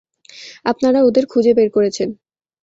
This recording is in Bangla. আপনারা ওদের খুঁজে বের করেছেন।